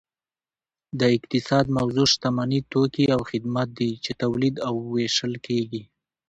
د اقتصاد موضوع شتمني توکي او خدمات دي چې تولید او ویشل کیږي